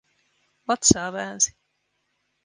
Vatsaa väänsi.